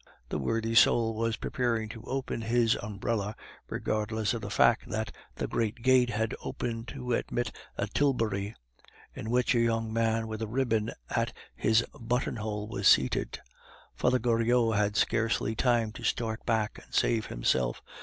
The worthy soul was preparing to open his umbrella regardless of the fact that the great gate had opened to admit a tilbury, in which a young man with a ribbon at his button hole was seated. Father Goriot had scarcely time to start back and save himself.